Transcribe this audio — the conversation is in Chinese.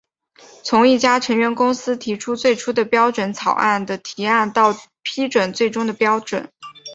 从一家成员公司提出最初的标准草案的提案到批准最终的标准。